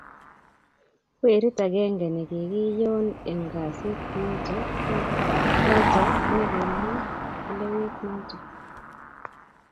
werit agenge ne kikiyon eng kasit noto ko noto be kimwai kilewet noto